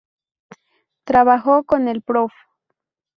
Trabajó con el Prof.